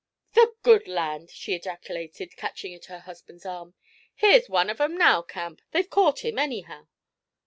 'The good land!' she ejaculated, catching at her husband's arm. 'Here's one of 'em now, Camp! They've caught him, anyhow!'